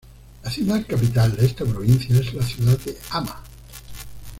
La ciudad capital de esta provincia es la ciudad de Hama.